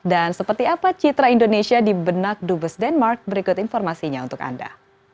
dan seperti apa citra indonesia di benak dubes denmark berikut informasinya untuk anda